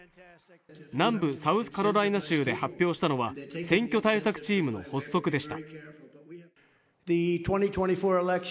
南部サウスカロライナ州で発表したのは、選挙対策チームの発足でした。